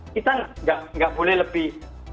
kita nggak boleh lebih